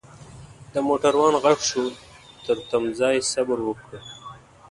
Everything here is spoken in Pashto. دموټروان ږغ شو ترتمځای صبروکړئ.